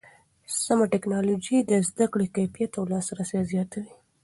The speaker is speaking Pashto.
سمه ټکنالوژي د زده کړې کیفیت او لاسرسی زیاتوي.